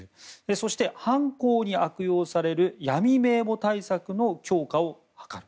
そして、犯行に悪用される闇名簿対策の強化を図る。